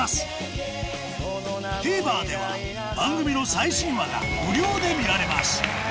ＴＶｅｒでは番組の最新話が無料で見られます